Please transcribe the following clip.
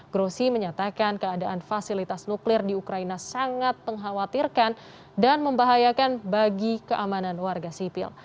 grosi menyatakan keadaan fasilitas nuklir di ukraina sangat mengkhawatirkan dan membahayakan bagi keamanan warga sipil